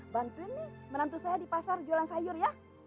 bantuin nih menantu saya di pasar jualan sayur ya